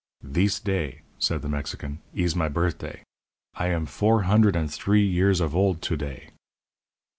"Thees day," said the Mexican, "ees my birthday. I am four hundred and three years of old to day."